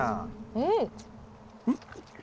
うん。